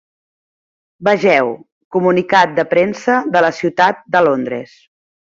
Vegeu: comunicat de premsa de la Ciutat de Londres.